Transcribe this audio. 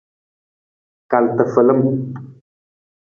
Kal tafalam.